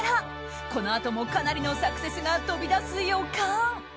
このあともかなりのサクセスが飛び出す予感。